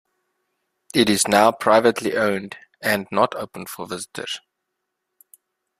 It is now privately owned, and not open for visitors.